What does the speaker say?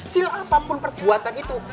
sekecil apapun perbuatan itu